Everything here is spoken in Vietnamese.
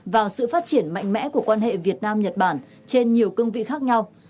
vào sự phát triển mạnh mẽ của quan hệ việt nam nhật bản trên nhiều cương vị khác nhau